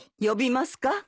呼びますか？